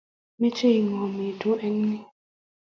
meche ingomitu eng ni